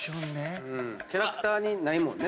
キャラクターにないもんね。